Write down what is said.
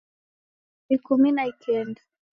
Ikumi na ikenda